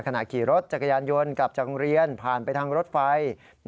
ขณะขี่รถจักรยานยนต์กลับจากโรงเรียนผ่านไปทางรถไฟ